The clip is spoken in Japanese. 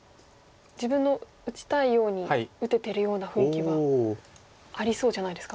自分の打ちたいように打ててるような雰囲気はありそうじゃないですか？